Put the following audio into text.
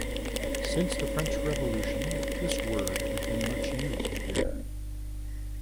Since the French Revolution this word has been much used here.